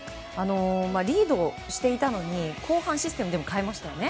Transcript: リードをしていたのに後半、システムを変えましたね。